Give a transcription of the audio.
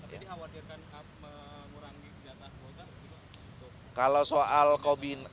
tapi dikhawatirkan mengurangi jatah kuota